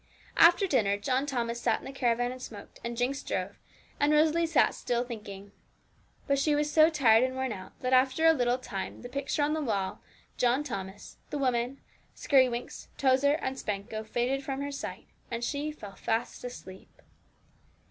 After dinner John Thomas sat in the caravan and smoked, and Jinx drove, and Rosalie sat still thinking. But she was so tired and worn out, that after a little time the picture on the wall, John Thomas, the woman, Skirrywinks, Tozer, and Spanco faded from her sight, and she fell fast asleep.